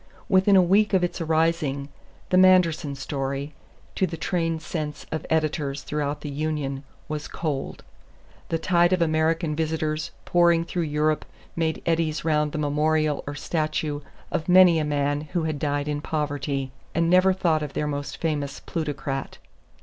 Within a week of its arising "the Manderson story," to the trained sense of editors throughout the Union, was "cold." The tide of American visitors pouring through Europe made eddies round the memorial or statue of many a man who had died in poverty; and never thought of their most famous plutocrat.